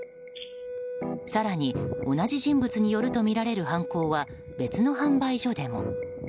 更に、同じ人物によるとみられる犯行は別の販売所でも。